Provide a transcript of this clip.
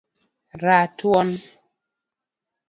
ratuon